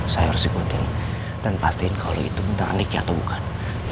saya harus ikutin dan pastiin kalau itu beneran ricky atau bukan